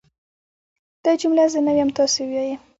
ګومان نه کوم چې خدای پاک مهربانه شي.